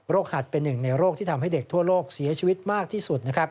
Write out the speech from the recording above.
หัดเป็นหนึ่งในโรคที่ทำให้เด็กทั่วโลกเสียชีวิตมากที่สุดนะครับ